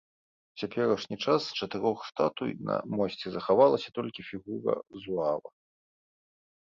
У цяперашні час з чатырох статуй на мосце захавалася толькі фігура зуава.